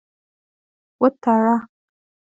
وتړه.